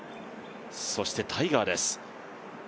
そしてタイガーです。